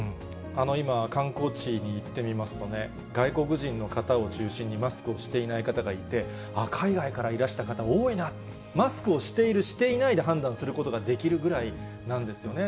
今、観光地に行ってみますとね、外国人の方を中心に、マスクをしていない方がいて、ああ、海外からいらした方、多いな、マスクをしている、していないで判断することができるぐらいなんですよね。